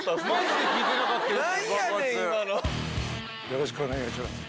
よろしくお願いします。